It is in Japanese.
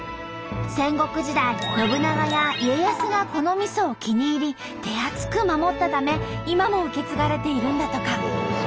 戦国時代信長や家康がこのみそを気に入り手厚く守ったため今も受け継がれているんだとか。